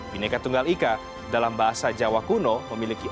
bineka tunggal ika dalam bahasa jawa kuno memiliki